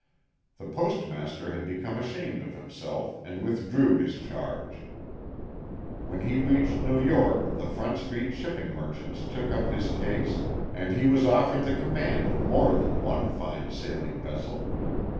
The Postmaster had become ashamed of himself and withdrew his charge. When he reached New York the Front Street shipping merchants took up his case and he was offered the command of more than one fine sailing vessel.